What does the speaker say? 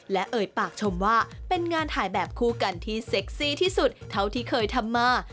และเอ่ยปากชมว่าเป็นงานถ่ายแบบคู่กันที่เซ็กซี่ที่สุดเท่าที่เคยทำมา